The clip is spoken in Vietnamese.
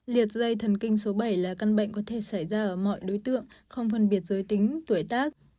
liệt dây thần kinh số bảy là căn bệnh có thể xảy ra ở mọi đối tượng không phân biệt giới tính tuổi tác